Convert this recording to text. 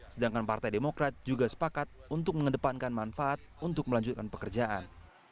sedangkan partai demokrat juga sepakat untuk mengedepankan manfaat untuk melanjutkan pekerjaan